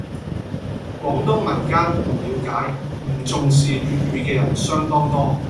廣東民間唔了解、唔重視粵語嘅人相當多